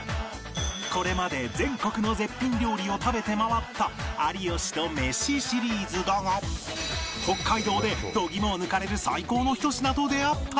これまで全国の絶品料理を食べて回った有吉とメシシリーズだが北海道で度肝を抜かれる最高のひと品と出会った